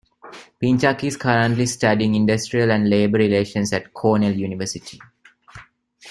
Pinchak is currently studying Industrial and Labor Relations at Cornell University.